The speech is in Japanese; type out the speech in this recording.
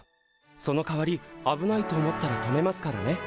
そのかわり危ないと思ったら止めますからね。